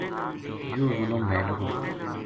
یوہ ظلم وھے لگو